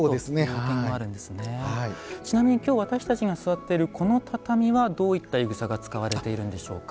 ちなみに今日私たちが座っているこの畳はどういったい草が使われているんでしょうか。